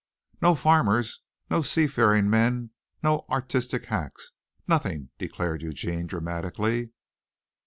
"No farmers, no sea faring men, no artistic hacks nothing!" declared Eugene dramatically.